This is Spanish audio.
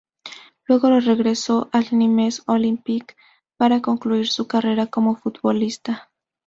Luego regresó al Nîmes Olympique para concluir su carrera como futbolista.